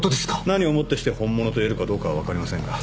何をもってして本物と言えるかどうかは分かりませんが。